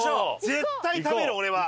絶対食べる俺は。